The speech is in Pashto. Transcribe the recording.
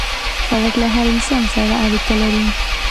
سړک له هر انسان سره اړیکه لري.